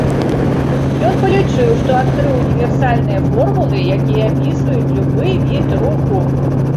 Ён палічыў, што адкрыў універсальныя формулы, якія апісваюць любы від руху.